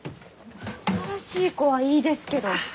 新しい子はいいですけど。